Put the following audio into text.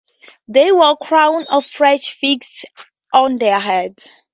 They wore crowns of fresh figs on their heads.